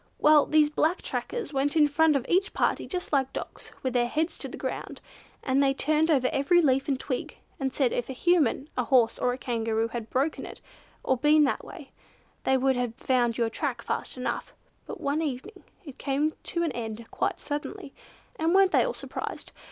Well, these black trackers went in front of each party just like dogs, with their heads to the ground, and they turned over every leaf and twig, and said if a Human, a horse or a Kangaroo had broken it or been that way, they would have found your track fast enough, but one evening it came to an end quite suddenly, and weren't they all surprised!